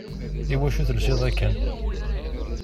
Iwacu telsiḍ akken?